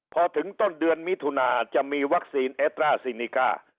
พอถึงต้นเดือนมิถุนาจะมีวัคซีนเอสตราซินิกา